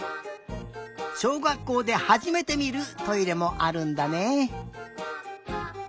しょうがっこうではじめてみるトイレもあるんだね。